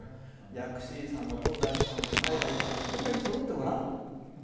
薬師寺さんも東大寺さんも西大寺さんもこれだけ、そろってごらん。